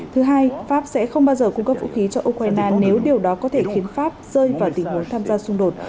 thứ hai pháp sẽ không bao giờ cung cấp vũ khí cho ukraine nếu điều đó có thể khiến pháp rơi vào tình huống tham gia xung đột